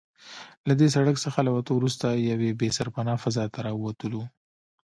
له دې سړک څخه له وتو وروسته یوې بې سرپنا فضا ته راووتو.